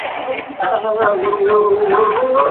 ولي د لري واټن زده کړه د حضوري ټولګیو په نسبت نوې ده؟